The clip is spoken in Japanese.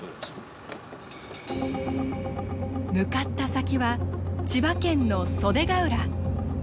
向かった先は千葉県の袖ケ浦。